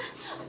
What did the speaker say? ya allah tante